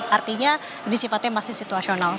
artinya disifatnya masih situasional